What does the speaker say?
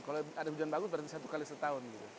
kalau ada hujan bagus berarti satu kali setahun